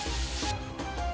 masjid agung sunda kelapa